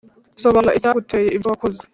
Sobanura icyaguteye ibyo wakoze